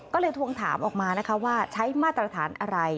ก็เลยทวงถามออกมานะคะว่าใช้มาตรฐานอะไร